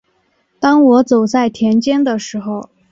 当我走在田间的时候